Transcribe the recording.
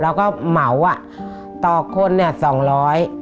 เราก็เหมาอ่ะต่อคนเนี่ย๒๐๐